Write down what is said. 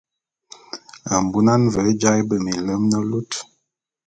Mbunan ve jaé be minlem ne lut.